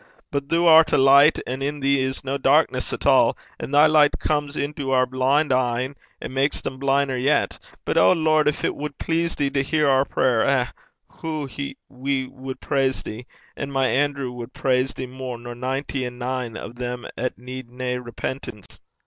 But thoo art a' licht, and in thee is no darkness at all. And thy licht comes into oor blin' een, and mak's them blinner yet. But, O Lord, gin it wad please thee to hear oor prayer...eh! hoo we wad praise thee! And my Andrew wad praise thee mair nor ninety and nine o' them 'at need nae repentance.'